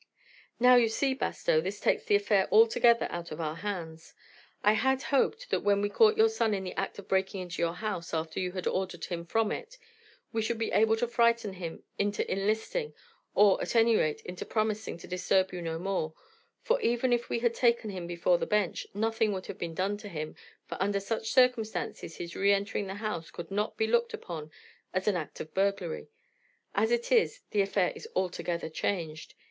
"Now, you see, Bastow, this takes the affair altogether out of our hands. I had hoped that when we caught your son in the act of breaking into your house after you had ordered him from it, we should be able to frighten him into enlisting, or, at any rate, into promising to disturb you no more, for even if we had taken him before the bench, nothing could have been done to him, for under such circumstances his re entering the house could not be looked upon as an act of burglary. As it is, the affair is altogether changed.